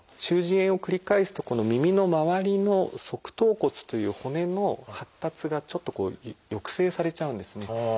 中耳炎を繰り返すとこの耳の周りの側頭骨という骨の発達がちょっとこう抑制されちゃうんですね。